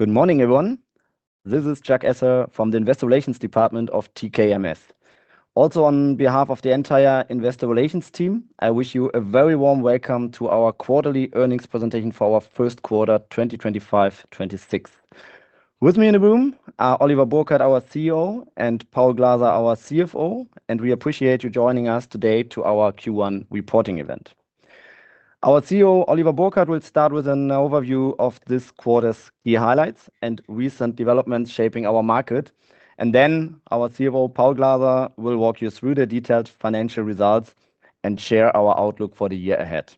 Good morning, everyone. This is Jacques Esser from the Investor Relations Department of TKMS. Also on behalf of the entire Investor Relations team, I wish you a very warm welcome to our quarterly earnings presentation for our first quarter 2025-2026. With me in the room are Oliver Burkhard, our CEO, and Paul Glaser, our CFO, and we appreciate you joining us today to our Q1 reporting event. Our CEO, Oliver Burkhard, will start with an overview of this quarter's key highlights and recent developments shaping our market, and then our CFO, Paul Glaser, will walk you through the detailed financial results and share our outlook for the year ahead.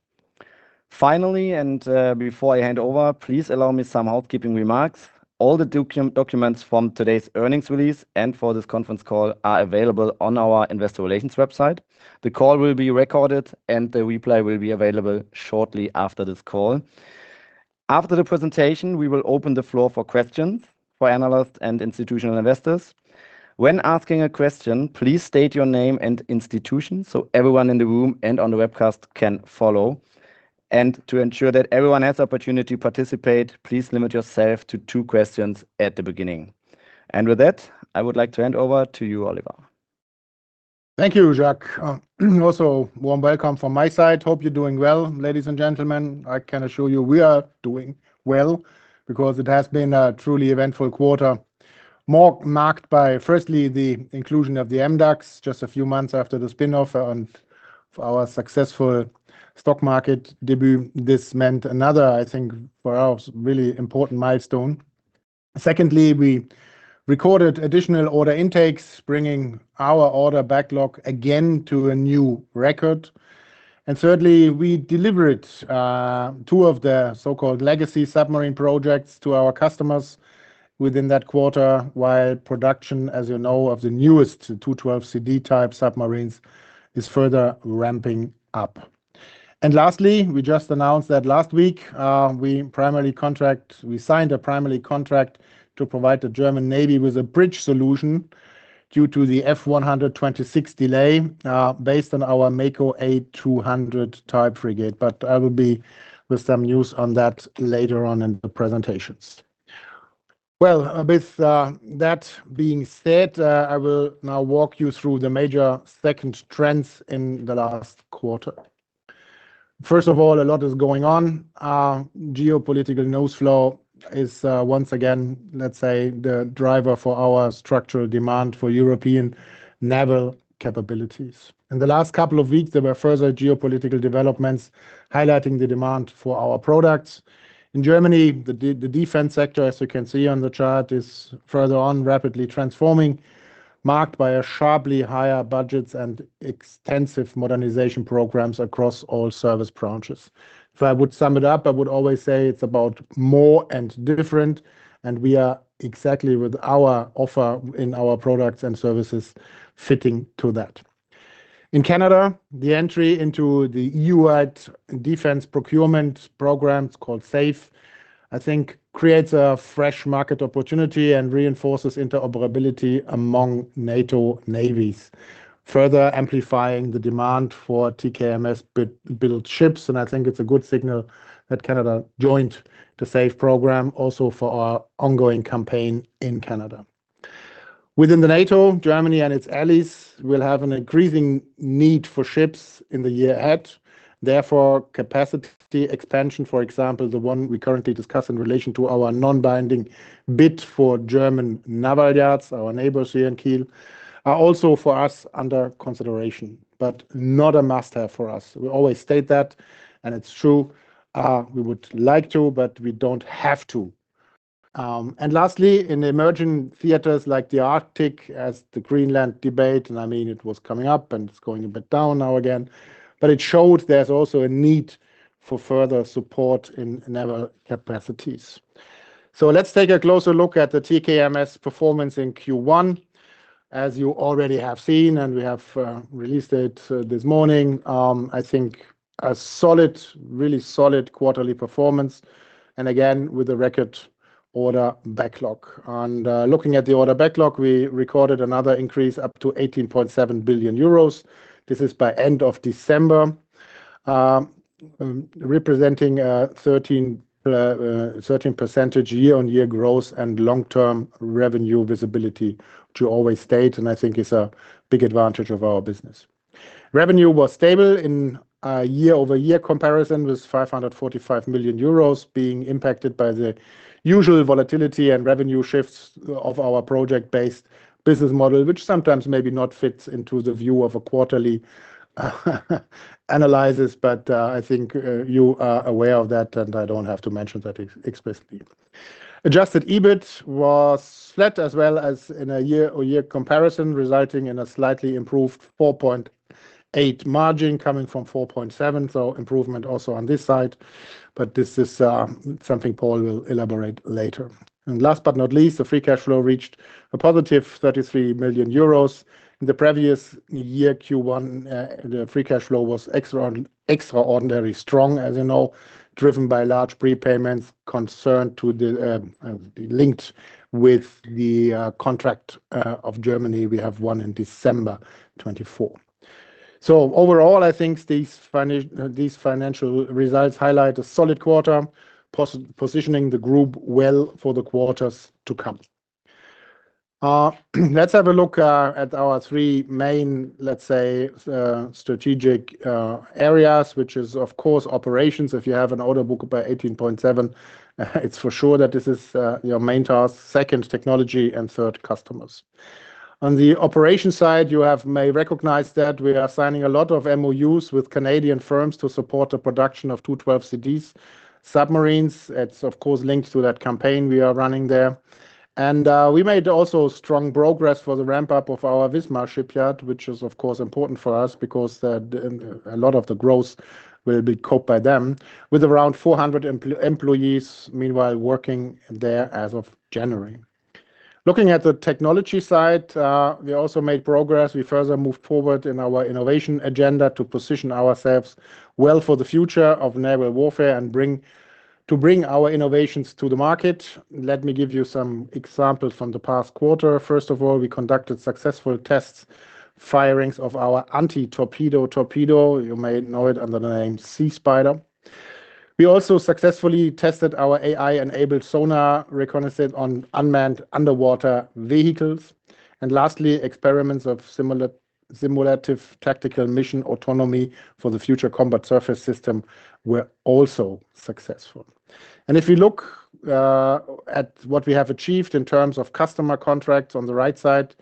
Finally, and before I hand over, please allow me some housekeeping remarks. All the documents from today's earnings release and for this conference call are available on our Investor Relations website. The call will be recorded, and the replay will be available shortly after this call. After the presentation, we will open the floor for questions for analysts and institutional investors. When asking a question, please state your name and institution so everyone in the room and on the webcast can follow. And to ensure that everyone has the opportunity to participate, please limit yourself to two questions at the beginning. And with that, I would like to hand over to you, Oliver. Thank you, Jacques. Also, warm welcome from my side. Hope you're doing well, ladies and gentlemen. I can assure you we are doing well because it has been a truly eventful quarter, marked by, firstly, the inclusion of the MDAX just a few months after the spin-off and our successful stock market debut. This meant another, I think, for us really important milestone. Secondly, we recorded additional order intakes, bringing our order backlog again to a new record. And thirdly, we delivered two of the so-called legacy submarine projects to our customers within that quarter, while production, as you know, of the newest 212CD type submarines is further ramping up. Lastly, we just announced that last week we signed a prime contract to provide the German Navy with a bridge solution due to the F-126 delay based on our MEKO A200 type frigate, but I will have some news on that later on in the presentations. Well, with that being said, I will now walk you through the major sector trends in the last quarter. First of all, a lot is going on. Geopolitical no-slow is once again, let's say, the driver for our structural demand for European naval capabilities. In the last couple of weeks, there were further geopolitical developments highlighting the demand for our products. In Germany, the defense sector, as you can see on the chart, is further on rapidly transforming, marked by sharply higher budgets and extensive modernization programs across all service branches. If I would sum it up, I would always say it's about more and different, and we are exactly with our offer in our products and services fitting to that. In Canada, the entry into the EU-wide defense procurement program called SAFE, I think, creates a fresh market opportunity and reinforces interoperability among NATO navies, further amplifying the demand for TKMS-built ships. I think it's a good signal that Canada joined the SAFE program also for our ongoing campaign in Canada. Within the NATO, Germany and its allies will have an increasing need for ships in the year ahead. Therefore, capacity expansion, for example, the one we currently discuss in relation to our non-binding bid for German Naval Yards Kiel, our neighbors here in Kiel, are also for us under consideration, but not a must-have for us. We always state that, and it's true. We would like to, but we don't have to. And lastly, in emerging theaters like the Arctic, as the Greenland debate, and I mean it was coming up and it's going a bit down now again, but it showed there's also a need for further support in naval capacities. So let's take a closer look at the TKMS performance in Q1. As you already have seen, and we have released it this morning, I think a solid, really solid quarterly performance, and again with a record order backlog. And looking at the order backlog, we recorded another increase up to 18.7 billion euros. This is by end of December, representing a 13% year-on-year growth and long-term revenue visibility, to always state, and I think is a big advantage of our business. Revenue was stable in a year-over-year comparison with 545 million euros being impacted by the usual volatility and revenue shifts of our project-based business model, which sometimes maybe not fits into the view of a quarterly analysis, but I think you are aware of that, and I don't have to mention that explicitly. Adjusted EBIT was flat as well as in a year-over-year comparison, resulting in a slightly improved 4.8% margin coming from 4.7%, so improvement also on this side, but this is something Paul will elaborate later. And last but not least, the free cash flow reached a positive 33 million euros. In the previous year, Q1, the free cash flow was extraordinarily strong, as you know, driven by large prepayments concerned to the linked with the contract of Germany. We have one in December 2024. So overall, I think these financial results highlight a solid quarter, positioning the group well for the quarters to come. Let's have a look at our three main, let's say, strategic areas, which is, of course, operations. If you have an order book of 18.7 billion, it's for sure that this is your main task, second, technology, and third, customers. On the operations side, you may recognize that we are signing a lot of MOUs with Canadian firms to support the production of 212CD submarines. It's, of course, linked to that campaign we are running there. We made also strong progress for the ramp-up of our Wismar shipyard, which is, of course, important for us because a lot of the growth will be covered by them, with around 400 employees, meanwhile, working there as of January. Looking at the technology side, we also made progress. We further moved forward in our innovation agenda to position ourselves well for the future of naval warfare and to bring our innovations to the market. Let me give you some examples from the past quarter. First of all, we conducted successful test firings of our anti-torpedo torpedo. You may know it under the name SeaSpider. We also successfully tested our AI-enabled sonar reconnaissance on unmanned underwater vehicles. And lastly, experiments of simulative tactical mission autonomy for the Future Combat Surface System were also successful. And if we look at what we have achieved in terms of customer contracts on the right side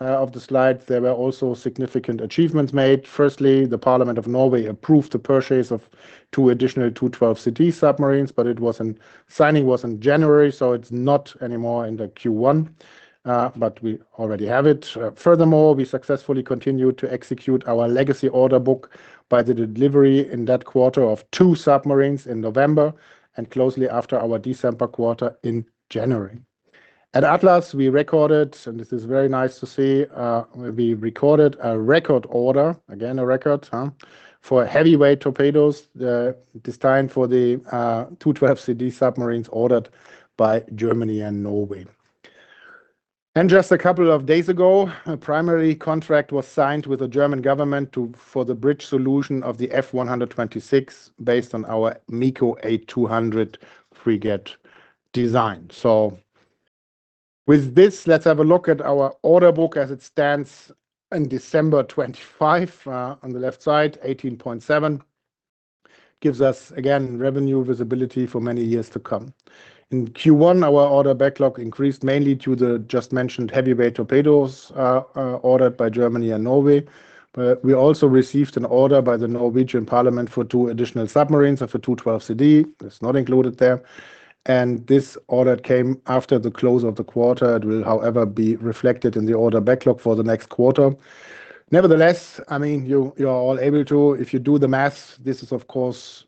of the slide, there were also significant achievements made. Firstly, the Parliament of Norway approved the purchase of two additional 212CD submarines, but signing was in January, so it's not anymore in the Q1, but we already have it. Furthermore, we successfully continued to execute our legacy order book by the delivery in that quarter of two submarines in November and closely after our December quarter in January. At Atlas, we recorded, and this is very nice to see, we recorded a record order, again a record, for heavyweight torpedoes, this time for the 212CD submarines ordered by Germany and Norway. And just a couple of days ago, a primary contract was signed with the German government for the bridge solution of the F-126 based on our MEKO A200 frigate design. So with this, let's have a look at our order book as it stands in December 2025 on the left side, 18.7, gives us, again, revenue visibility for many years to come. In Q1, our order backlog increased mainly to the just-mentioned heavyweight torpedoes ordered by Germany and Norway. We also received an order by the Norwegian Parliament for two additional submarines of a 212CD. It's not included there. This order came after the close of the quarter. It will, however, be reflected in the order backlog for the next quarter. Nevertheless, I mean, you are all able to. If you do the math, this, of course,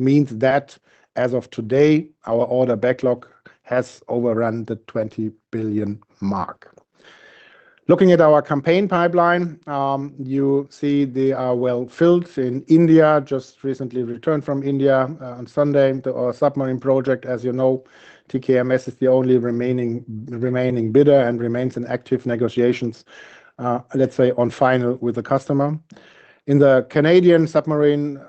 means that as of today, our order backlog has overrun the 20 billion mark. Looking at our campaign pipeline, you see they are well-filled. In India, just recently returned from India on Sunday, our submarine project, as you know, TKMS is the only remaining bidder and remains in active negotiations, let's say, on final with the customer. In the Canadian submarine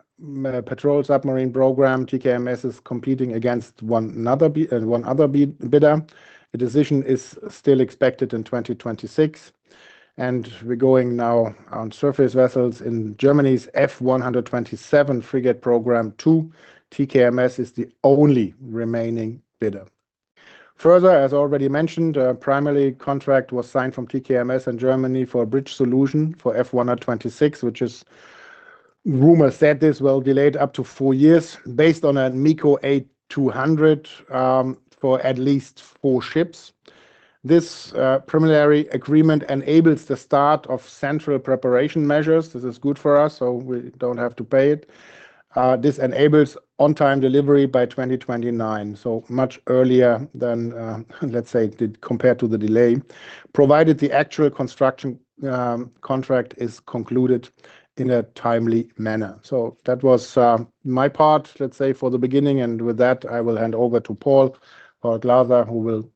patrol submarine program, TKMS is competing against one other bidder. A decision is still expected in 2026. We're going now on Surface vessels. In Germany's F-127 Frigate Program II, TKMS is the only remaining bidder. Further, as already mentioned, a preliminary contract was signed from TKMS and Germany for a bridge solution for F-126, which is rumored to be delayed up to four years, based on a MEKO A200 for at least four ships. This preliminary agreement enables the start of central preparation measures. This is good for us, so we don't have to pay it. This enables on-time delivery by 2029, so much earlier than, let's say, compared to the delay, provided the actual construction contract is concluded in a timely manner. That was my part, let's say, for the beginning. With that, I will hand over to Paul, Paul Glaser, who will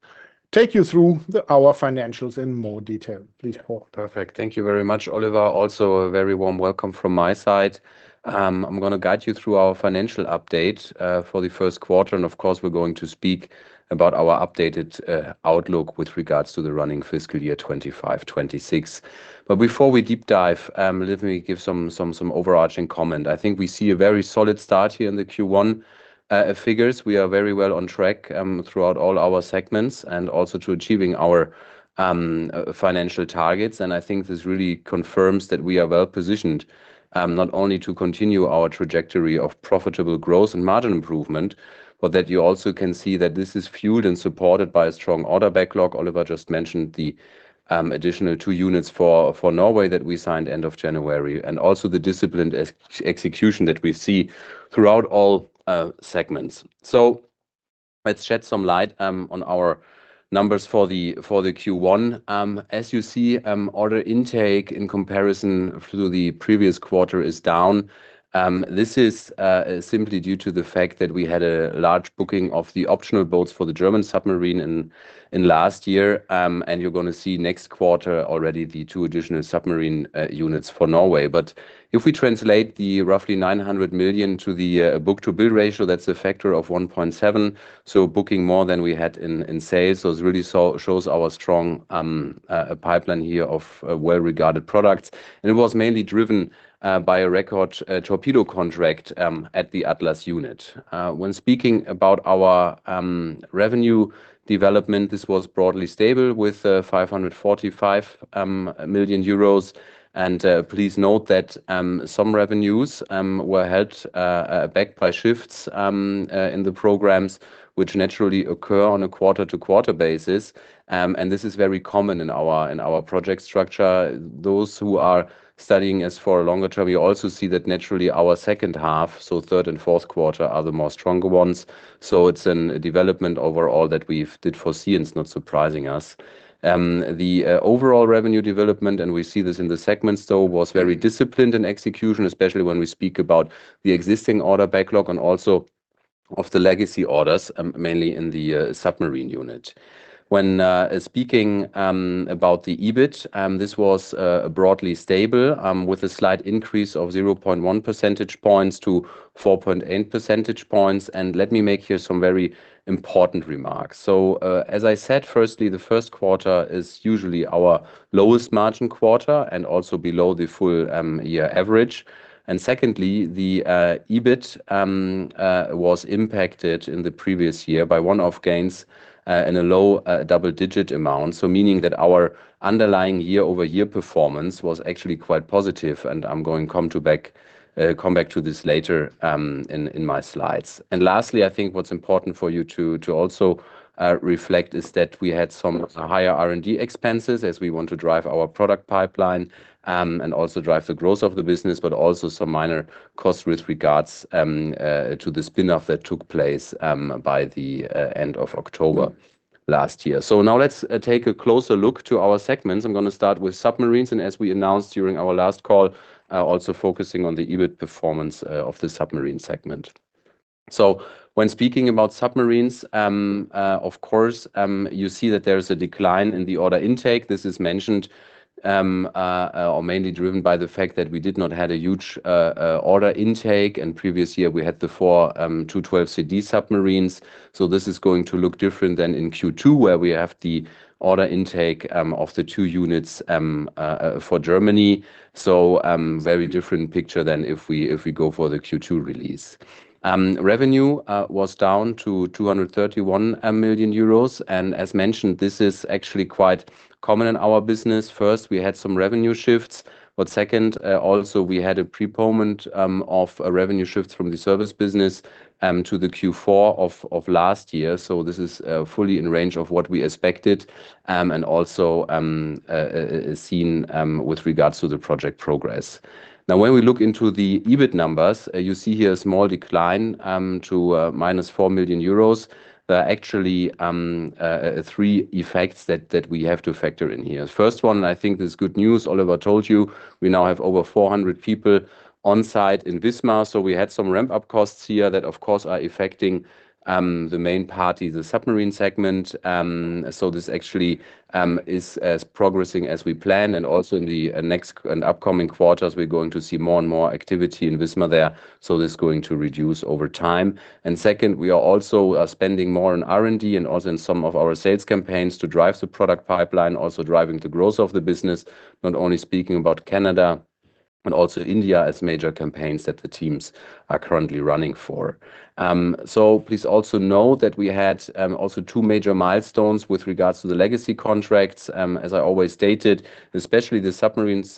take you through our financials in more detail. Please, Paul. Perfect. Thank you very much, Oliver. Also, a very warm welcome from my side. I'm going to guide you through our financial update for the first quarter. Of course, we're going to speak about our updated outlook with regards to the running fiscal year 2025-2026. But before we deep dive, let me give some overarching comment. I think we see a very solid start here in the Q1 figures. We are very well on track throughout all our segments and also to achieving our financial targets. I think this really confirms that we are well-positioned not only to continue our trajectory of profitable growth and margin improvement, but that you also can see that this is fueled and supported by a strong order backlog. Oliver just mentioned the additional two units for Norway that we signed end of January and also the disciplined execution that we see throughout all segments. So let's shed some light on our numbers for the Q1. As you see, order intake in comparison to the previous quarter is down. This is simply due to the fact that we had a large booking of the optional boats for the German submarine in last year. And you're going to see next quarter already the two additional submarine units for Norway. But if we translate the roughly 900 million to the book-to-bill ratio, that's a factor of 1.7. So booking more than we had in sales. So it really shows our strong pipeline here of well-regarded products. And it was mainly driven by a record torpedo contract at the Atlas unit. When speaking about our revenue development, this was broadly stable with 545 million euros. Please note that some revenues were held back by shifts in the programs, which naturally occur on a quarter-to-quarter basis. This is very common in our project structure. Those who are studying us for a longer term, you also see that naturally our second half, so third and fourth quarter, are the more stronger ones. It's a development overall that we've did foresee and it's not surprising us. The overall revenue development, and we see this in the segments, though, was very disciplined in execution, especially when we speak about the existing order backlog and also of the legacy orders, mainly in the submarine unit. When speaking about the EBIT, this was broadly stable with a slight increase of 0.1 percentage points to 4.8 percentage points. Let me make here some very important remarks. So as I said, firstly, the first quarter is usually our lowest margin quarter and also below the full year average. And secondly, the EBIT was impacted in the previous year by one-off gains in a low double-digit amount, so meaning that our underlying year-over-year performance was actually quite positive. And I'm going to come back to this later in my slides. And lastly, I think what's important for you to also reflect is that we had some higher R&D expenses as we want to drive our product pipeline and also drive the growth of the business, but also some minor costs with regards to the spinoff that took place by the end of October last year. So now let's take a closer look to our segments. I'm going to start with submarines. As we announced during our last call, also focusing on the EBIT performance of the submarine segment. So when speaking about submarines, of course, you see that there is a decline in the order intake. This is mentioned or mainly driven by the fact that we did not have a huge order intake. And previous year, we had the four 212CD submarines. So this is going to look different than in Q2, where we have the order intake of the two units for Germany. So very different picture than if we go for the Q2 release. Revenue was down to 231 million euros. And as mentioned, this is actually quite common in our business. First, we had some revenue shifts. But second, also, we had a prepayment of revenue shifts from the service business to the Q4 of last year. So this is fully in range of what we expected and also seen with regards to the project progress. Now, when we look into the EBIT numbers, you see here a small decline to -4 million euros. There are actually three effects that we have to factor in here. First one, and I think this is good news, Oliver told you, we now have over 400 people on site in Wismar. So we had some ramp-up costs here that, of course, are affecting the main party, the submarine segment. So this actually is progressing as we plan. And also in the next and upcoming quarters, we're going to see more and more activity in Wismar there. So this is going to reduce over time. And second, we are also spending more on R&D and also in some of our sales campaigns to drive the product pipeline, also driving the growth of the business, not only speaking about Canada but also India as major campaigns that the teams are currently running for. So please also know that we had also two major milestones with regards to the legacy contracts. As I always stated, especially the submarines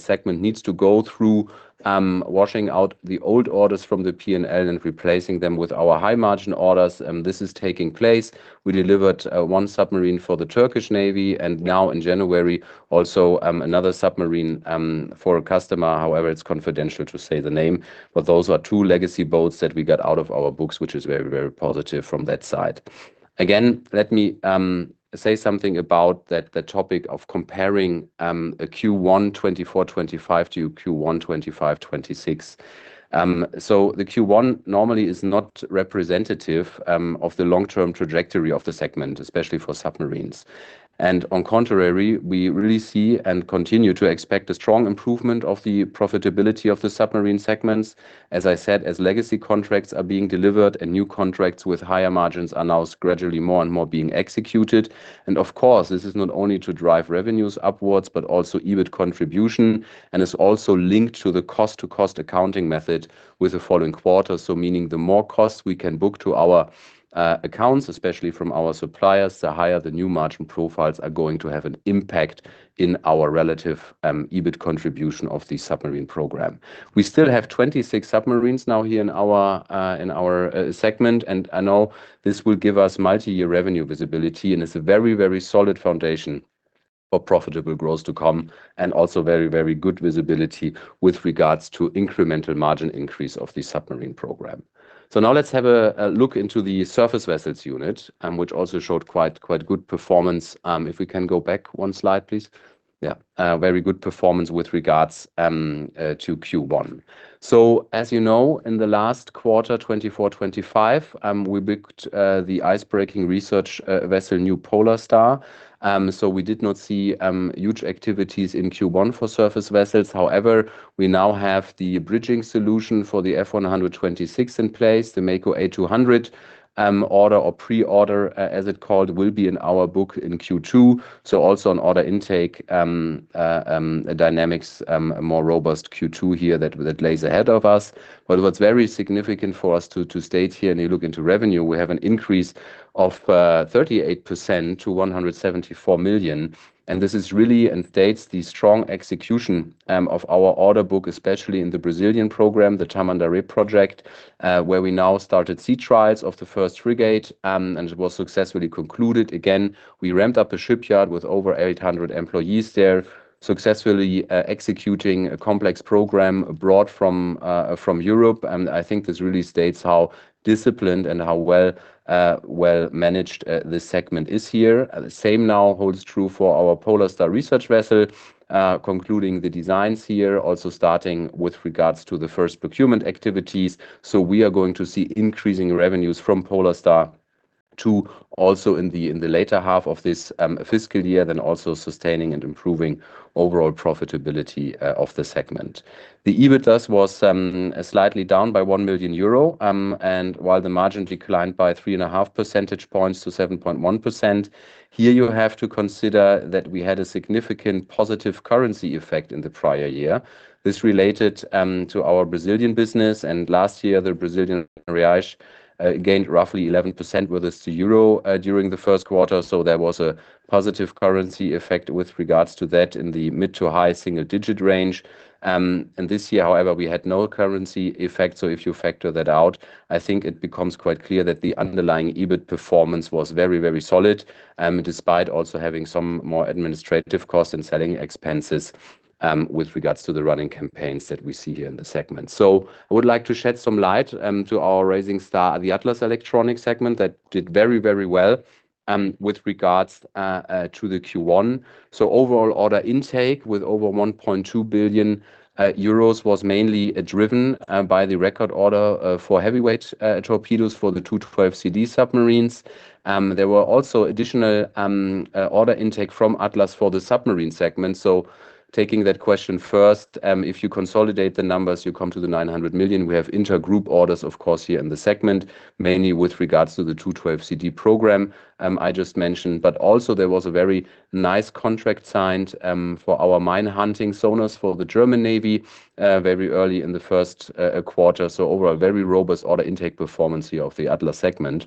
segment needs to go through washing out the old orders from the P&L and replacing them with our high-margin orders. This is taking place. We delivered one submarine for the Turkish Navy and now in January, also another submarine for a customer. However, it's confidential to say the name. But those are two legacy boats that we got out of our books, which is very, very positive from that side. Again, let me say something about that topic of comparing a Q1 2024-2025 to Q1 2025-2026. So the Q1 normally is not representative of the long-term trajectory of the segment, especially for submarines. And on the contrary, we really see and continue to expect a strong improvement of the profitability of the submarine segments. As I said, as legacy contracts are being delivered and new contracts with higher margins are now gradually more and more being executed. And of course, this is not only to drive revenues upwards but also EBIT contribution and is also linked to the cost-to-cost accounting method with the following quarter. So meaning the more costs we can book to our accounts, especially from our suppliers, the higher the new margin profiles are going to have an impact in our relative EBIT contribution of the submarine program. We still have 26 submarines now here in our segment. I know this will give us multi-year revenue visibility. It's a very, very solid foundation for profitable growth to come and also very, very good visibility with regards to incremental margin increase of the submarine program. Now let's have a look into the Surface vessels unit, which also showed quite good performance. If we can go back one slide, please. Yeah, very good performance with regards to Q1. As you know, in the last quarter, 2024-2025, we booked the icebreaking research vessel New Polar Star. We did not see huge activities in Q1 for Surface vessels. However, we now have the bridging solution for the F-126 in place. The MEKO A200 order or pre-order, as it's called, will be in our book in Q2. Also on order intake dynamics, a more robust Q2 here that lays ahead of us. What's very significant for us to state here, and you look into revenue, we have an increase of 38% to 174 million. This is really and states the strong execution of our order book, especially in the Brazilian program, the Tamandaré project, where we now started sea trials of the first frigate, and it was successfully concluded. Again, we ramped up a shipyard with over 800 employees there, successfully executing a complex program brought from Europe. I think this really states how disciplined and how well-managed this segment is here. The same now holds true for our Polar Star research vessel, concluding the designs here, also starting with regards to the first procurement activities. We are going to see increasing revenues from Polar Star also in the later half of this fiscal year, then also sustaining and improving overall profitability of the segment. The EBIT thus was slightly down by 1 million euro. While the margin declined by 3.5 percentage points to 7.1%, here you have to consider that we had a significant positive currency effect in the prior year. This related to our Brazilian business. Last year, the Brazilian real gained roughly 11% versus the euro during the first quarter. So there was a positive currency effect with regards to that in the mid to high single-digit range. This year, however, we had no currency effect. So if you factor that out, I think it becomes quite clear that the underlying EBIT performance was very, very solid, despite also having some more administrative costs and selling expenses with regards to the running campaigns that we see here in the segment. So I would like to shed some light to our Rising Star, the Atlas Elektronik segment that did very, very well with regards to the Q1. So overall order intake with over 1.2 billion euros was mainly driven by the record order for heavyweight torpedoes for the 212CD submarines. There were also additional order intake from Atlas for the submarine segment. So taking that question first, if you consolidate the numbers, you come to the 900 million. We have intergroup orders, of course, here in the segment, mainly with regards to the 212CD program I just mentioned. But also there was a very nice contract signed for our mine-hunting sonars for the German Navy very early in the first quarter. So overall, very robust order intake performance here of the Atlas segment.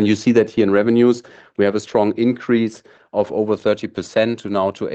You see that here in revenues, we have a strong increase of over 30% to now to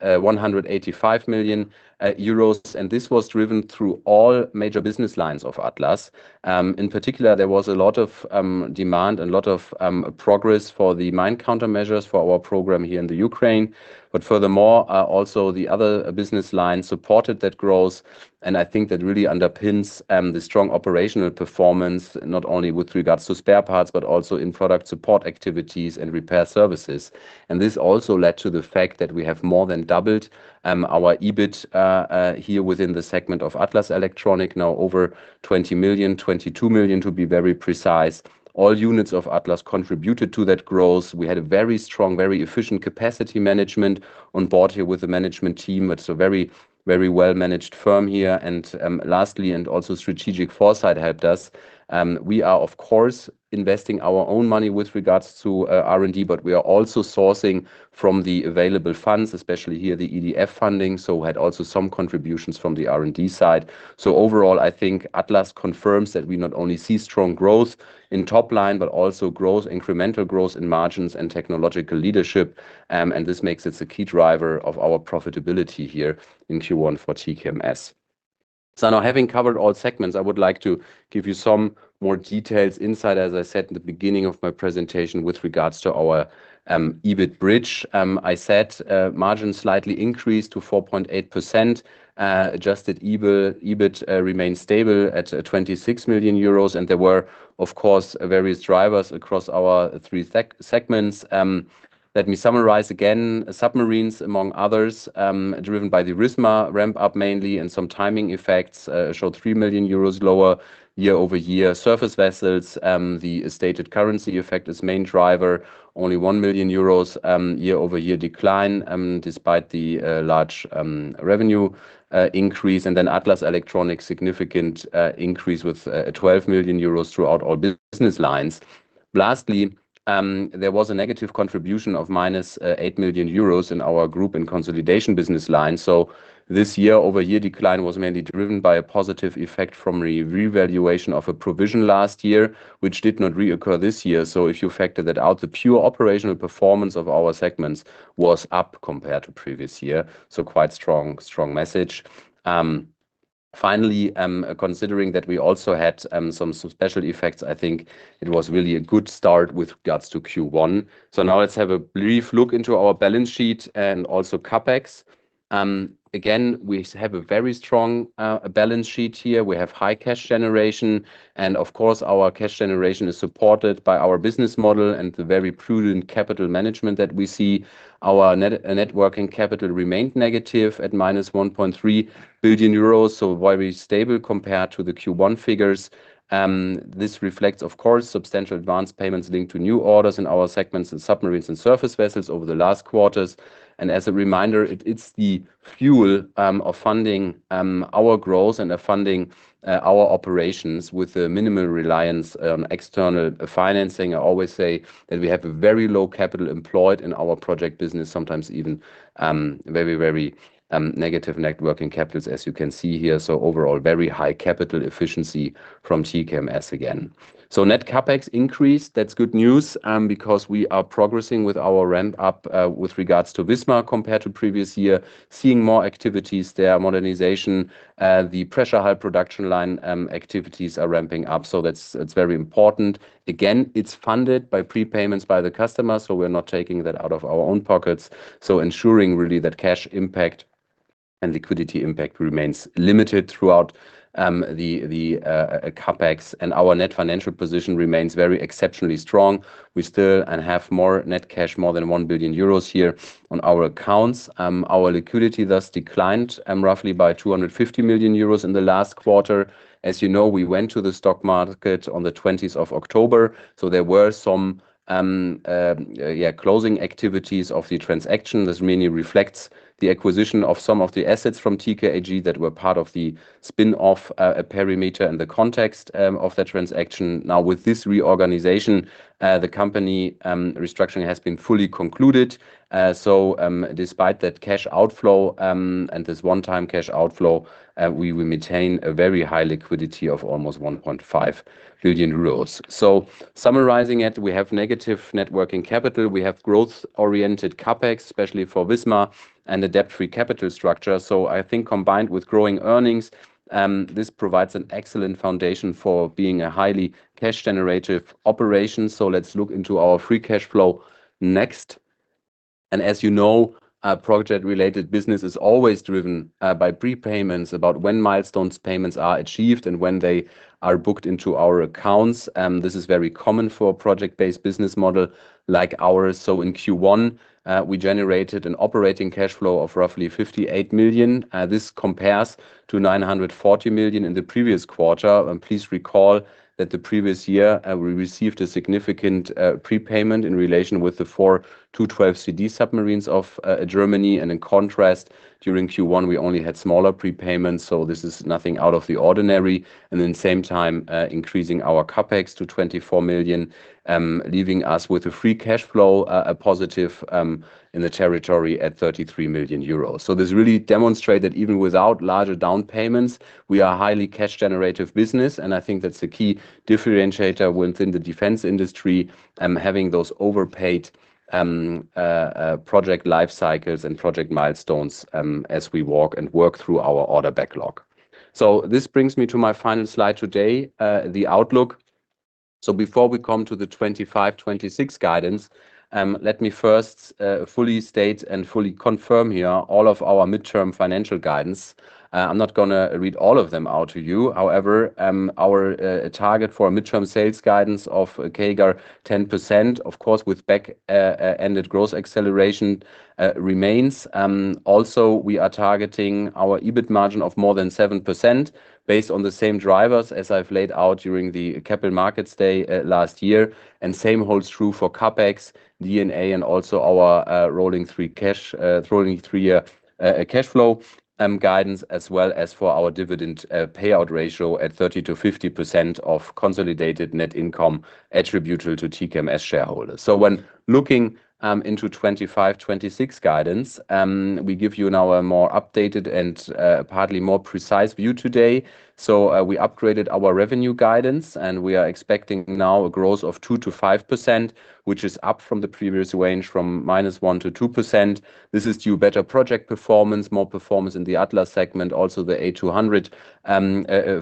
185 million euros. This was driven through all major business lines of Atlas Elektronik. In particular, there was a lot of demand and a lot of progress for the mine countermeasures for our program here in the Ukraine. But furthermore, also the other business lines supported that growth. I think that really underpins the strong operational performance, not only with regards to spare parts, but also in product support activities and repair services. This also led to the fact that we have more than doubled our EBIT here within the segment of Atlas Elektronik, now over 20 million, 22 million, to be very precise. All units of Atlas Elektronik contributed to that growth. We had a very strong, very efficient capacity management on board here with the management team. It's a very, very well-managed firm here. And lastly, and also strategic foresight helped us. We are, of course, investing our own money with regards to R&D, but we are also sourcing from the available funds, especially here the EDF funding. So we had also some contributions from the R&D side. So overall, I think Atlas confirms that we not only see strong growth in top line, but also growth, incremental growth in margins and technological leadership. And this makes it a key driver of our profitability here in Q1 for TKMS. So now having covered all segments, I would like to give you some more details inside. As I said in the beginning of my presentation with regards to our EBIT bridge, I said margin slightly increased to 4.8%. Adjusted EBIT remained stable at 26 million euros. And there were, of course, various drivers across our three segments. Let me summarize again. Submarines, among others, driven by the RISMA ramp-up mainly and some timing effects showed 3 million euros lower year-over-year. Surface Vessels, the stated currency effect is main driver, only 1 million euros year-over-year decline despite the large revenue increase. And then Atlas Elektronik, significant increase with 12 million euros throughout all business lines. Lastly, there was a negative contribution of minus 8 million euros in our group in consolidation business lines. So this year-over-year decline was mainly driven by a positive effect from revaluation of a provision last year, which did not reoccur this year. So if you factor that out, the pure operational performance of our segments was up compared to previous year. So quite strong, strong message. Finally, considering that we also had some special effects, I think it was really a good start with regards to Q1. So now let's have a brief look into our balance sheet and also CapEx. Again, we have a very strong balance sheet here. We have high cash generation. And of course, our cash generation is supported by our business model and the very prudent capital management that we see. Our net working capital remained negative at -1.3 billion euros. So very stable compared to the Q1 figures. This reflects, of course, substantial advance payments linked to new orders in our segments in submarines and Surface Vessels over the last quarters. And as a reminder, it's the fuel of funding our growth and of funding our operations with the minimal reliance on external financing. I always say that we have a very low capital employed in our project business, sometimes even very, very negative net working capitals, as you can see here. So overall, very high capital efficiency from TKMS again. So net CapEx increased, that's good news because we are progressing with our ramp-up with regards to Wismar compared to previous year, seeing more activities there, modernization. The pressure hull production line activities are ramping up. So that's very important. Again, it's funded by prepayments by the customer. So we're not taking that out of our own pockets. So ensuring really that cash impact and liquidity impact remains limited throughout the CapEx. And our net financial position remains very exceptionally strong. We still have more net cash, more than 1 billion euros here on our accounts. Our liquidity thus declined roughly by 250 million euros in the last quarter. As you know, we went to the stock market on the 20th of October. So there were some, yeah, closing activities of the transaction. This mainly reflects the acquisition of some of the assets from TKAG that were part of the spin-off perimeter and the context of that transaction. Now, with this reorganization, the company restructuring has been fully concluded. So despite that cash outflow and this one-time cash outflow, we will maintain a very high liquidity of almost 1.5 billion euros. So summarizing it, we have negative working capital. We have growth-oriented CapEx, especially for Wismar, and a debt-free capital structure. So I think combined with growing earnings, this provides an excellent foundation for being a highly cash-generative operation. So let's look into our free cash flow next. And as you know, project-related business is always driven by prepayments, about when milestones payments are achieved and when they are booked into our accounts. This is very common for a project-based business model like ours. So in Q1, we generated an operating cash flow of roughly 58 million. This compares to 940 million in the previous quarter. And please recall that the previous year, we received a significant prepayment in relation with the four 212CD submarines of Germany. And in contrast, during Q1, we only had smaller prepayments. So this is nothing out of the ordinary. And in the same time, increasing our CapEx to 24 million, leaving us with a free cash flow, a positive in the territory at 33 million euros. So this really demonstrates that even without larger down payments, we are a highly cash-generative business. And I think that's the key differentiator within the defense industry, having those overpaid project lifecycles and project milestones as we walk and work through our order backlog. So this brings me to my final slide today, the outlook. So before we come to the 2025-2026 guidance, let me first fully state and fully confirm here all of our midterm financial guidance. I'm not going to read all of them out to you. However, our target for midterm sales guidance of CAGR 10%, of course, with back-ended growth acceleration remains. Also, we are targeting our EBIT margin of more than 7% based on the same drivers as I've laid out during the Capital Markets Day last year. And same holds true for CapEx, net debt, and also our rolling three-year cash flow guidance, as well as for our dividend payout ratio at 30%-50% of consolidated net income attributed to TKMS shareholders. So when looking into 2025-2026 guidance, we give you now a more updated and partly more precise view today. So we upgraded our revenue guidance, and we are expecting now a growth of 2%-5%, which is up from the previous range from -1% to 2%. This is due to better project performance, more performance in the Atlas segment, also the A200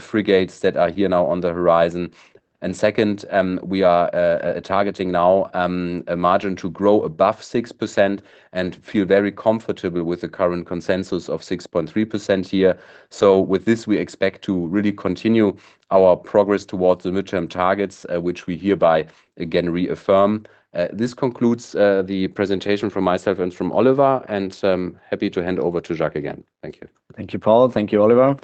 frigates that are here now on the horizon. And second, we are targeting now a margin to grow above 6% and feel very comfortable with the current consensus of 6.3% here. So with this, we expect to really continue our progress towards the midterm targets, which we hereby, again, reaffirm. This concludes the presentation from myself and from Oliver. And happy to hand over to Jacques again. Thank you. Thank you, Paul. Thank you, Oliver.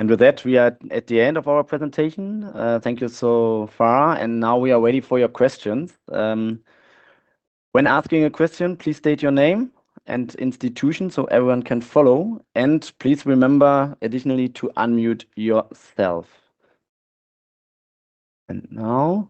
And with that, we are at the end of our presentation. Thank you so far. And now we are ready for your questions. When asking a question, please state your name and institution so everyone can follow. Please remember additionally to unmute yourself. Now,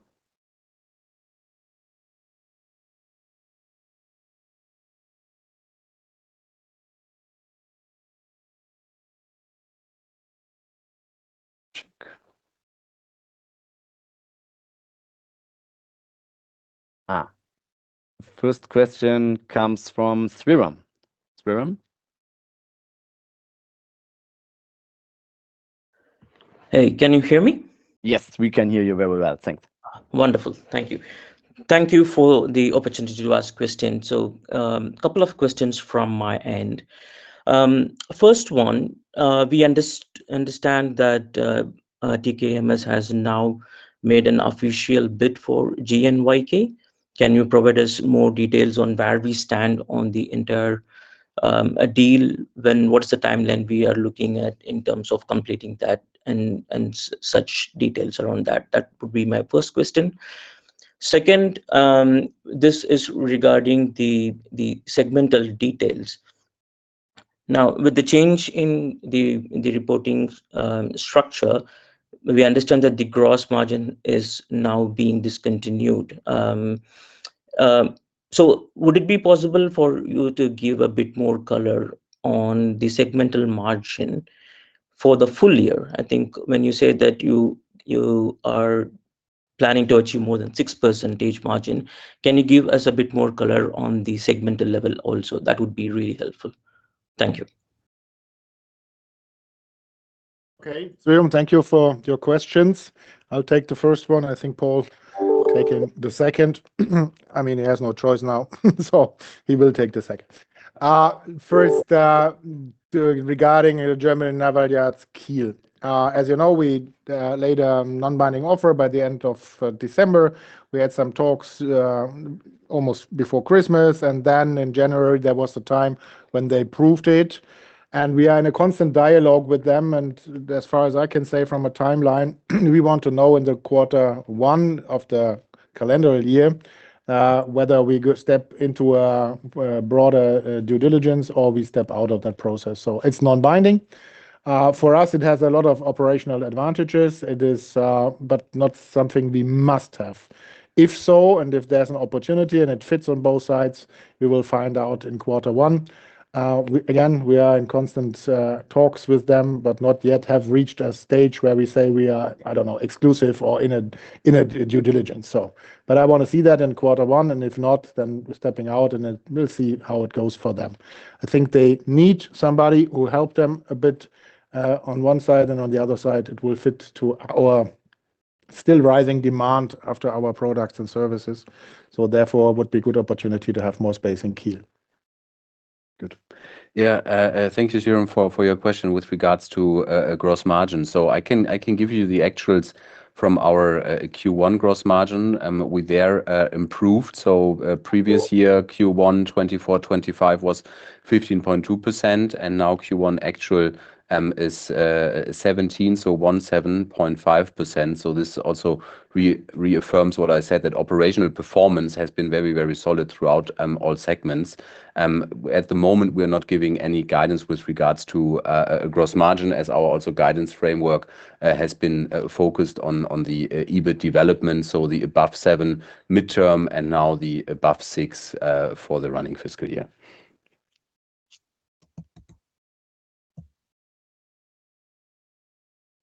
first question comes from Sriram. Sriram? Hey, can you hear me? Yes, we can hear you very well. Thanks. Wonderful. Thank you. Thank you for the opportunity to ask questions. So a couple of questions from my end. First one, we understand that TKMS has now made an official bid for GNYK. Can you provide us more details on where we stand on the entire deal? What's the timeline we are looking at in terms of completing that and such details around that? That would be my first question. Second, this is regarding the segmental details. Now, with the change in the reporting structure, we understand that the gross margin is now being discontinued. So would it be possible for you to give a bit more color on the segmental margin for the full year? I think when you say that you are planning to achieve more than 6% margin, can you give us a bit more color on the segmental level also? That would be really helpful. Thank you. Okay. Sriram, thank you for your questions. I'll take the first one. I think Paul will take the second. I mean, he has no choice now, so he will take the second. First, regarding German Naval Yards Kiel. As you know, we laid a non-binding offer by the end of December. We had some talks almost before Christmas. And then in January, there was the time when they proved it. And we are in a constant dialogue with them. As far as I can say from a timeline, we want to know in quarter one of the calendar year whether we step into a broader due diligence or we step out of that process. So it's non-binding. For us, it has a lot of operational advantages. It is, but not something we must have. If so, and if there's an opportunity and it fits on both sides, we will find out in quarter one. Again, we are in constant talks with them, but not yet have reached a stage where we say we are, I don't know, exclusive or in a due diligence, so. But I want to see that in quarter one. And if not, then we're stepping out, and we'll see how it goes for them. I think they need somebody who helped them a bit on one side. And on the other side, it will fit to our still rising demand after our products and services. So therefore, it would be a good opportunity to have more space in Kiel. Good. Yeah. Thank you, Sriram, for your question with regards to gross margin. So I can give you the actuals from our Q1 gross margin. We there improved. So previous year, Q1 2024-25 was 15.2%. And now Q1 actual is 17%, so 17.5%. So this also reaffirms what I said, that operational performance has been very, very solid throughout all segments. At the moment, we are not giving any guidance with regards to a gross margin as our also guidance framework has been focused on the EBIT development. So the above seven midterm and now the above six for the running fiscal year.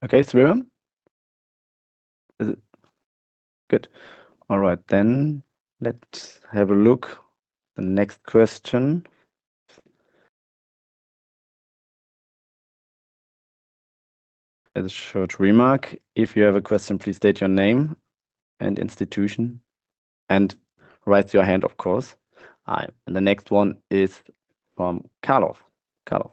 Okay. Sriram? Good. All right. Then let's have a look. The next question. As a short remark, if you have a question, please state your name and institution and raise your hand, of course. The next one is from Carlos. Carlos.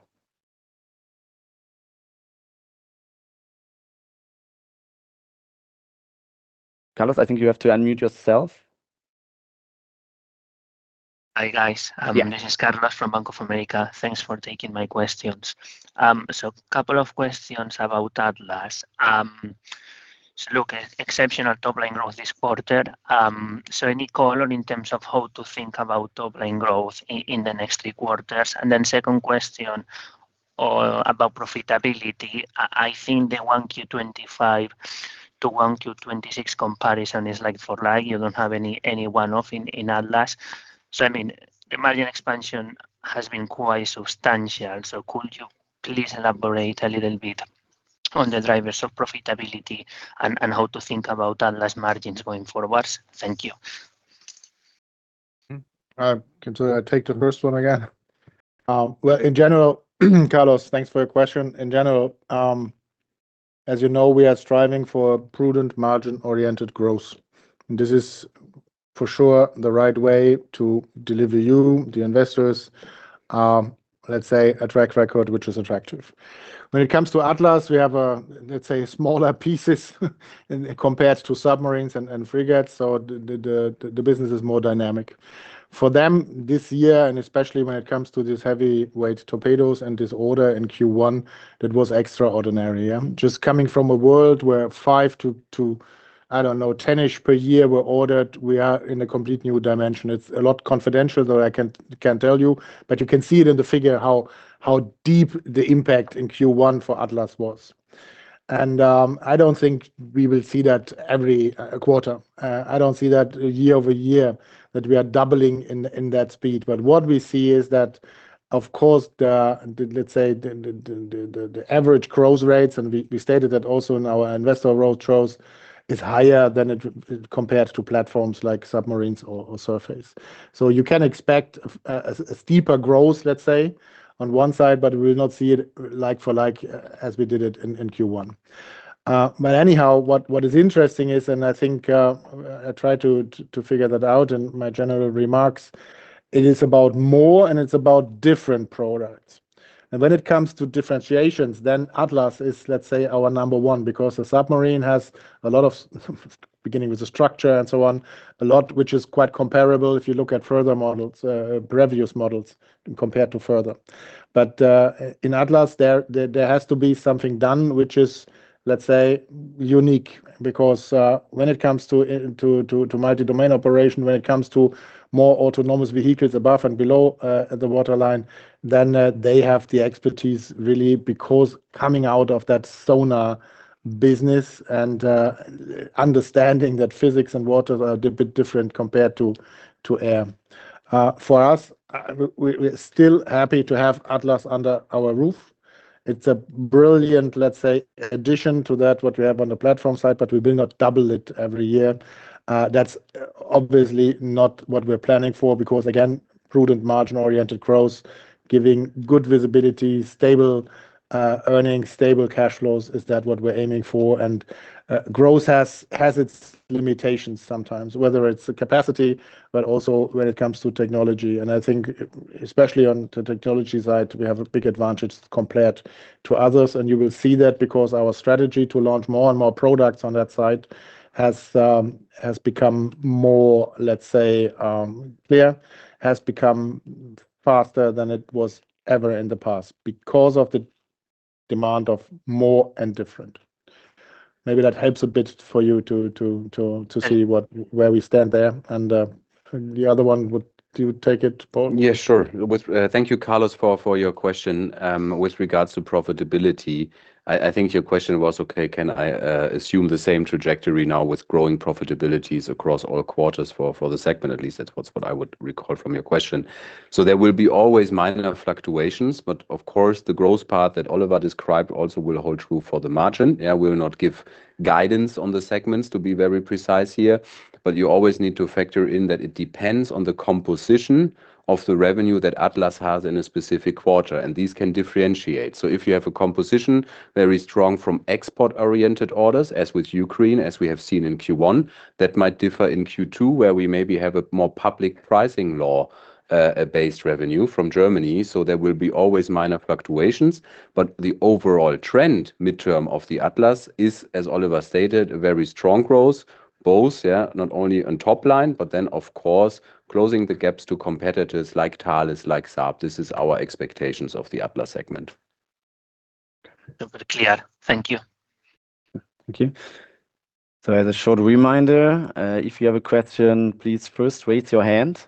Carlos, I think you have to unmute yourself. Hi, guys. This is Carlos from Bank of America. Thanks for taking my questions. So a couple of questions about Atlas. So look, exceptional top-line growth this quarter. So any call in terms of how to think about top-line growth in the next three quarters? And then second question about profitability. I think the 1Q25 to 1Q26 comparison is like for light. You don't have any one-off in Atlas. So I mean, the margin expansion has been quite substantial. So could you please elaborate a little bit on the drivers of profitability and how to think about Atlas margins going forwards? Thank you. Can I take the first one again? Well, in general, Carlos, thanks for your question. In general, as you know, we are striving for prudent margin-oriented growth. This is for sure the right way to deliver you, the investors, let's say, a track record which is attractive. When it comes to Atlas, we have, let's say, smaller pieces compared to submarines and frigates. So the business is more dynamic. For them this year, and especially when it comes to these heavyweight torpedoes and this order in Q1 that was extraordinary, just coming from a world where 5 to, I don't know, 10-ish per year were ordered, we are in a complete new dimension. It's a lot confidential, though I can't tell you. But you can see it in the figure how deep the impact in Q1 for Atlas was. I don't think we will see that every quarter. I don't see that year-over-year that we are doubling in that speed. But what we see is that, of course, let's say, the average growth rates, and we stated that also in our investor roadshows, is higher than it compared to platforms like submarines or surface. So you can expect a steeper growth, let's say, on one side, but we will not see it like for like as we did it in Q1. But anyhow, what is interesting is, and I think I tried to figure that out in my general remarks, it is about more, and it's about different products. And when it comes to differentiations, then Atlas is, let's say, our number one because the submarine has a lot, beginning with the structure and so on, a lot which is quite comparable if you look at further models, previous models, compared to further. In Atlas, there has to be something done which is, let's say, unique because when it comes to multi-domain operation, when it comes to more autonomous vehicles above and below the waterline, then they have the expertise really because coming out of that sonar business and understanding that physics and water are a bit different compared to air. For us, we're still happy to have Atlas under our roof. It's a brilliant, let's say, addition to that what we have on the platform side, but we will not double it every year. That's obviously not what we're planning for because, again, prudent margin-oriented growth, giving good visibility, stable earnings, stable cash flows, is that what we're aiming for. Growth has its limitations sometimes, whether it's capacity, but also when it comes to technology. I think especially on the technology side, we have a big advantage compared to others. And you will see that because our strategy to launch more and more products on that side has become more, let's say, clear, has become faster than it was ever in the past because of the demand of more and different. Maybe that helps a bit for you to see where we stand there. And the other one, would you take it, Paul? Yeah, sure. Thank you, Carlos, for your question with regards to profitability. I think your question was, "Okay, can I assume the same trajectory now with growing profitabilities across all quarters for the segment?" At least that's what I would recall from your question. So there will be always minor fluctuations. But of course, the growth part that Oliver described also will hold true for the margin. Yeah, we will not give guidance on the segments to be very precise here. But you always need to factor in that it depends on the composition of the revenue that Atlas has in a specific quarter. And these can differentiate. So if you have a composition very strong from export-oriented orders, as with Ukraine, as we have seen in Q1, that might differ in Q2 where we maybe have a more public pricing law-based revenue from Germany. So there will be always minor fluctuations. But the overall trend midterm of the Atlas is, as Oliver stated, a very strong growth, both, yeah, not only on top line, but then, of course, closing the gaps to competitors like Thales, like Saab. This is our expectations of the Atlas segment. Very clear. Thank you. Thank you. So as a short reminder, if you have a question, please first raise your hand,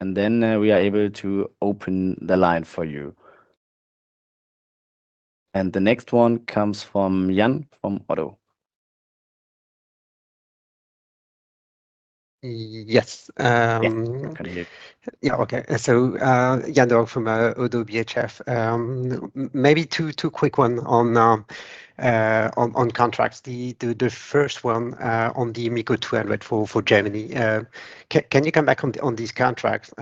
and then we are able to open the line for you. And the next one comes from Yan from ODDO. Yes. Yeah. Okay. So Yan Derocles from ODDO BHF. Maybe two quick ones on contracts. The first one on the MEKO A200 for Germany. Can you come back on these contracts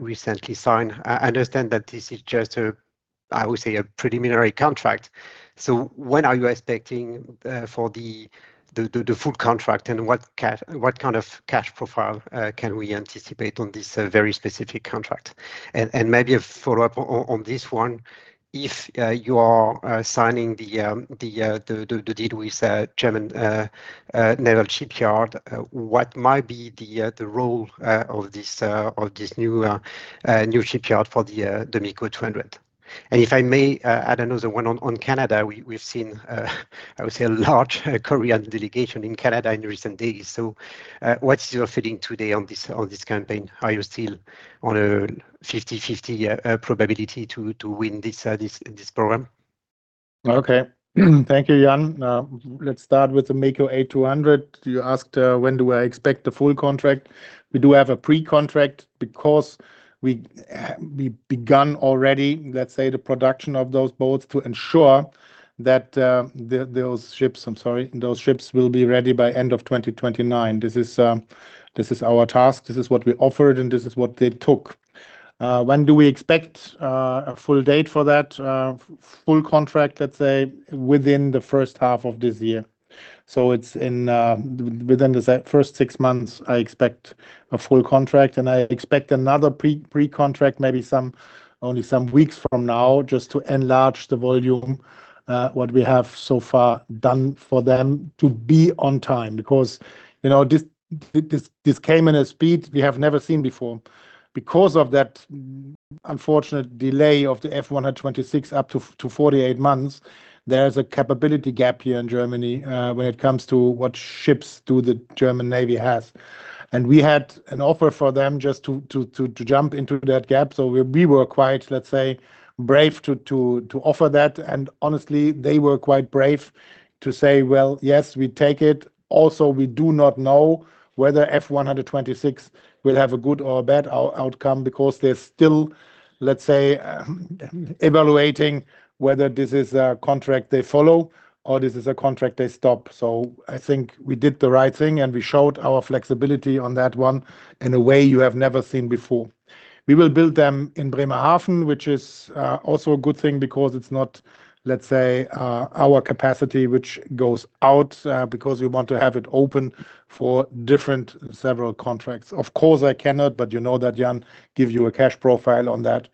recently signed? I understand that this is just a, I would say, a preliminary contract. So when are you expecting for the full contract, and what kind of cash profile can we anticipate on this very specific contract? And maybe a follow-up on this one. If you are signing the deal with German Naval Yards Kiel, what might be the role of this new shipyard for the MEKO A200? If I may add another one on Canada, we've seen, I would say, a large Korean delegation in Canada in recent days. So what is your feeling today on this campaign? Are you still on a 50/50 probability to win this program? Okay. Thank you, Yan. Let's start with the MEKO A200. You asked, "When do I expect the full contract?" We do have a pre-contract because we began already, let's say, the production of those boats to ensure that those ships—I'm sorry—those ships will be ready by end of 2029. This is our task. This is what we offered, and this is what they took. When do we expect a full date for that full contract, let's say, within the first half of this year? So it's within the first six months, I expect a full contract. I expect another pre-contract, maybe only some weeks from now, just to enlarge the volume, what we have so far done for them to be on time because this came in a speed we have never seen before. Because of that unfortunate delay of the F-126 up to 48 months, there is a capability gap here in Germany when it comes to what ships do the German Navy has. We had an offer for them just to jump into that gap. So we were quite, let's say, brave to offer that. And honestly, they were quite brave to say, "Well, yes, we take it." Also, we do not know whether F-126 will have a good or a bad outcome because they're still, let's say, evaluating whether this is a contract they follow or this is a contract they stop. So I think we did the right thing, and we showed our flexibility on that one in a way you have never seen before. We will build them in Bremerhaven, which is also a good thing because it's not, let's say, our capacity which goes out because we want to have it open for several contracts. Of course, I cannot, but you know that Yan gave you a cash profile on that.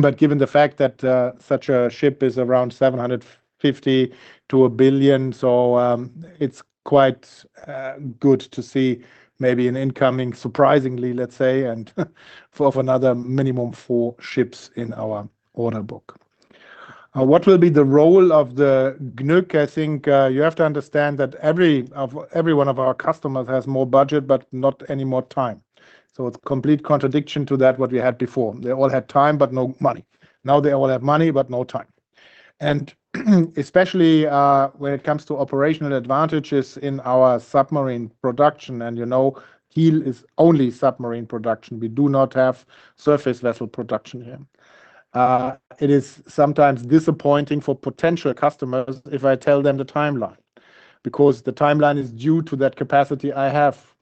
But given the fact that such a ship is around 750 million to 1 billion, so it's quite good to see maybe an incoming, surprisingly, let's say, and of another minimum 4 ships in our order book. What will be the role of the GNYK? I think you have to understand that every one of our customers has more budget but not any more time. So it's complete contradiction to that what we had before. They all had time but no money. Now they all have money but no time. Especially when it comes to operational advantages in our submarine production, and you know Kiel is only submarine production. We do not have Surface Vessel production here. It is sometimes disappointing for potential customers if I tell them the timeline because the timeline is due to that capacity I have.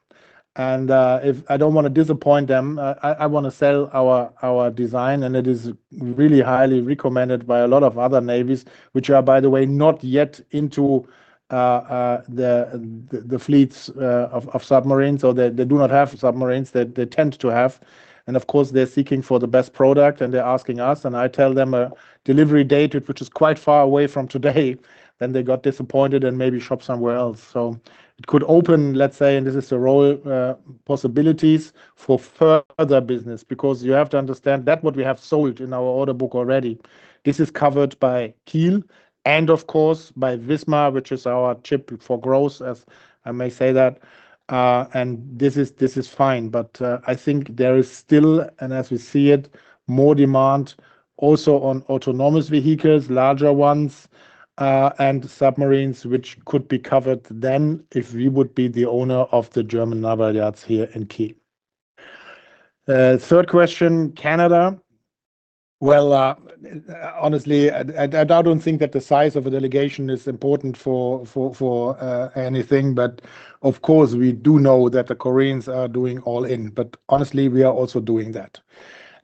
I don't want to disappoint them. I want to sell our design, and it is really highly recommended by a lot of other navies, which are, by the way, not yet into the fleets of submarines. So they do not have submarines. They tend to have. Of course, they're seeking for the best product, and they're asking us. I tell them a delivery date which is quite far away from today, then they got disappointed and maybe shop somewhere else. So it could open, let's say, and this is the real possibilities for further business because you have to understand that what we have sold in our order book already, this is covered by Kiel and, of course, by Wismar, which is our ship for growth, as I may say that. And this is fine. But I think there is still, and as we see it, more demand also on autonomous vehicles, larger ones, and submarines which could be covered then if we would be the owner of the German Naval Yards here in Kiel. Third question, Canada. Well, honestly, I don't think that the size of a delegation is important for anything. But of course, we do know that the Koreans are doing all in. But honestly, we are also doing that.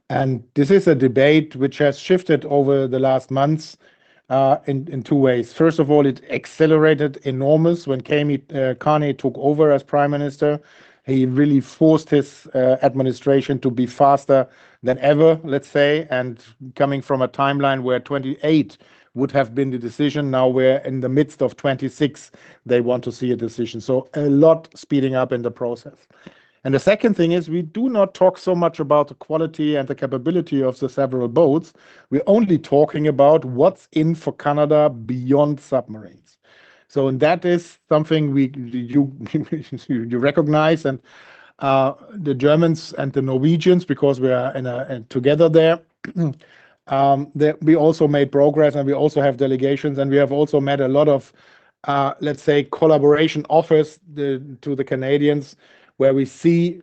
And this is a debate which has shifted over the last months in two ways. First of all, it accelerated enormously when Carney took over as Prime Minister. He really forced his administration to be faster than ever, let's say, and coming from a timeline where 2028 would have been the decision, now we're in the midst of 2026. They want to see a decision. So a lot speeding up in the process. And the second thing is we do not talk so much about the quality and the capability of the several boats. We're only talking about what's in for Canada beyond submarines. So that is something you recognize, and the Germans and the Norwegians, because we are together there, we also made progress, and we also have delegations, and we have also met a lot of, let's say, collaboration office to the Canadians where we see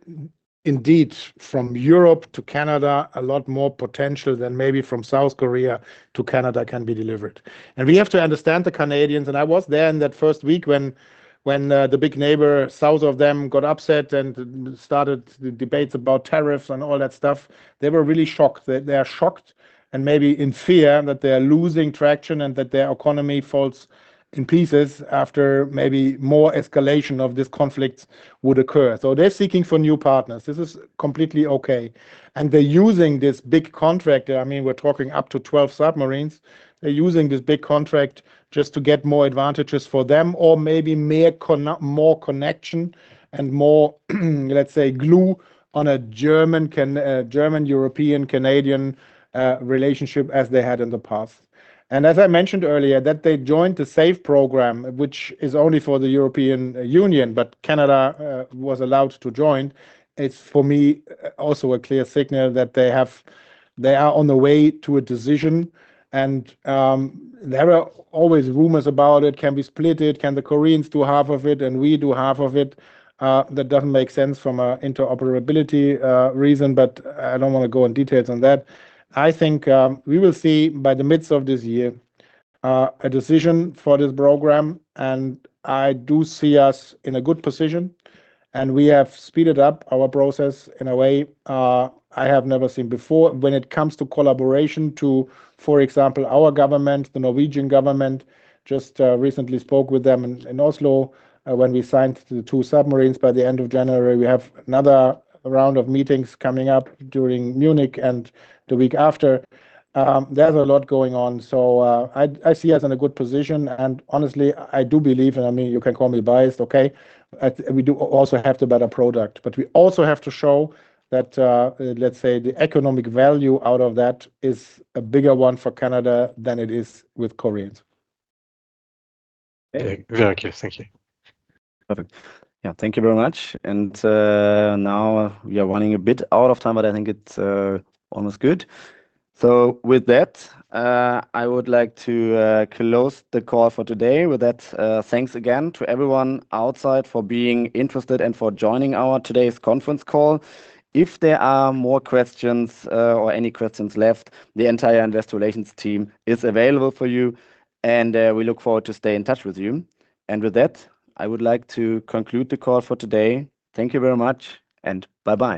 indeed from Europe to Canada a lot more potential than maybe from South Korea to Canada can be delivered. We have to understand the Canadians. I was there in that first week when the big neighbor, south of them, got upset and started debates about tariffs and all that stuff. They were really shocked. They are shocked and maybe in fear that they are losing traction and that their economy falls in pieces after maybe more escalation of this conflict would occur. So they're seeking for new partners. This is completely okay. They're using this big contractor. I mean, we're talking up to 12 submarines. They're using this big contract just to get more advantages for them or maybe more connection and more, let's say, glue on a German-European-Canadian relationship as they had in the past. And as I mentioned earlier, that they joined the SAFE program, which is only for the European Union, but Canada was allowed to join, is for me also a clear signal that they are on the way to a decision. And there are always rumors about it. Can be split it? Can the Koreans do half of it and we do half of it? That doesn't make sense from an interoperability reason, but I don't want to go in details on that. I think we will see by the midst of this year a decision for this program. And I do see us in a good position, and we have speeded up our process in a way I have never seen before. When it comes to collaboration to, for example, our government, the Norwegian government, just recently spoke with them in Oslo when we signed the two submarines. By the end of January, we have another round of meetings coming up during Munich and the week after. There's a lot going on. So I see us in a good position. And honestly, I do believe, and I mean, you can call me biased, okay? We do also have the better product. But we also have to show that, let's say, the economic value out of that is a bigger one for Canada than it is with Koreans. Very clear. Thank you. Perfect. Yeah. Thank you very much. And now we are running a bit out of time, but I think it's almost good. So with that, I would like to close the call for today with that. Thanks again to everyone outside for being interested and for joining our today's conference call. If there are more questions or any questions left, the entire Investor Relations team is available for you. And we look forward to staying in touch with you. And with that, I would like to conclude the call for today. Thank you very much, and bye-bye.